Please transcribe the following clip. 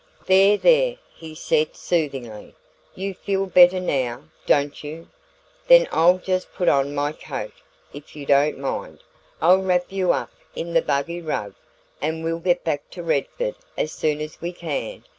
"There, there," he said soothingly, "you feel better now don't you? Then I'll just put on my coat, if you don't mind. I'll wrap you up in the buggy rug and we'll get back to Redford as soon as we can.